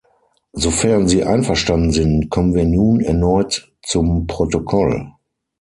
Sofern Sie einverstanden sind, kommen wir nun erneut zum Protokoll.